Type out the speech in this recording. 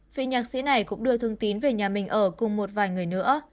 phi nhạc sĩ này cũng đưa thương tín về nhà mình ở cùng một vài người nữa